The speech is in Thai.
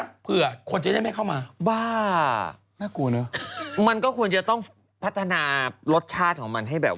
เผื่อคนจะได้ไม่เข้ามาบ้าน่ากลัวเนอะมันก็ควรจะต้องพัฒนารสชาติของมันให้แบบ